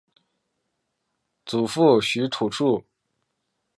祖父许士蕃。